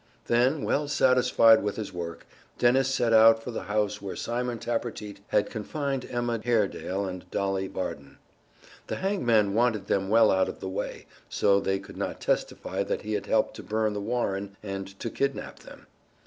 Then, well satisfied with his work, Dennis set out for the house where Simon Tappertit had confined Emma Haredale and Dolly Varden. The hangman wanted them well out of the way, so they could not testify that he had helped to burn The Warren and to kidnap them.